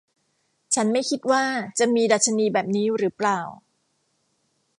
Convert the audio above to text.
ฉันไม่คิดว่าจะมีดัชนีแบบนี้หรือเปล่า ?